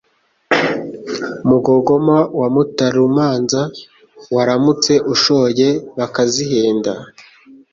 Mugogoma wa Mutarumanza waramutse ushoye bakazihenda,